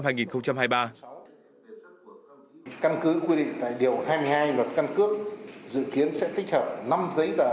căn cứ quy định tại điều hai mươi hai luật căn cước dự kiến sẽ tích hợp năm giấy tờ